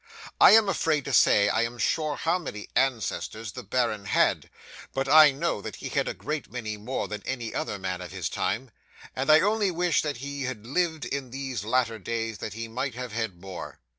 I am afraid to say, I am sure, how many ancestors the baron had; but I know that he had a great many more than any other man of his time; and I only wish that he had lived in these latter days, that he might have had more.